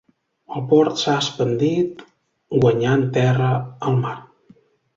El port s'ha expandit guanyant terra al mar.